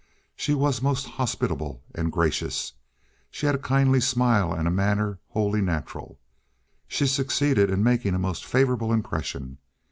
She was most hospitable and gracious. She had a kindly smile and a manner wholly natural; she succeeded in making a most favorable impression.